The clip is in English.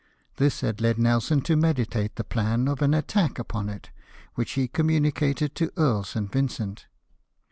This had led Nelson to meditate the plan of an attack upon it, which he communicated to Earl St. Vincent.